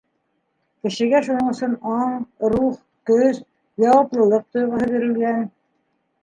Кешегә шуның өсөн аң, рух, көс, яуаплылыҡ тойғоһо бирелгән.